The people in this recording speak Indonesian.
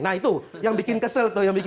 nah itu yang bikin kesel tuh